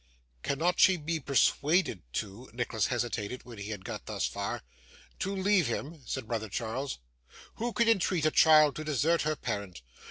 'Cannot she be persuaded to ' Nicholas hesitated when he had got thus far. 'To leave him?' said brother Charles. 'Who could entreat a child to desert her parent?